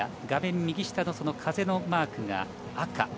画面右下の風のマークが赤。